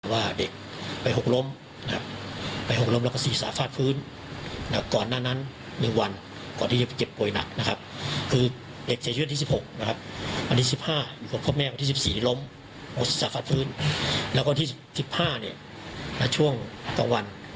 ถูกพ่อพ่อพ่อเลี้ยงเด็กเนี่ยทำร้ายร่างกาย